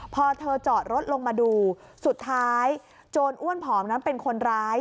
พอเธอจอดรถลงมาดูสุดท้ายโจรอ้วนผอมนั้นเป็นคนร้าย